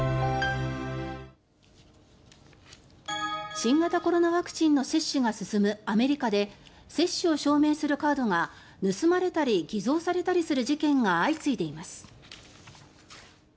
新型コロナワクチンの接種が進むアメリカで接種を証明するカードが盗まれたり偽造されたりする事件が相次いでいます。